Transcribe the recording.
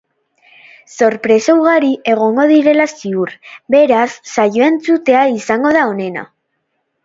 Sorpresa ugari egongo direla ziur, beraz, saioa entzutea izango da onena.